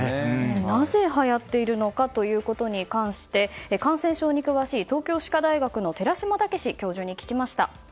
なぜはやっているのかに関して感染症に詳しい東京歯科大学の寺嶋毅教授に聞きました。